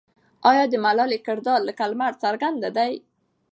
آیا د ملالۍ کردار لکه لمر څرګند دی؟